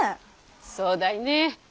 そうだいねぇ。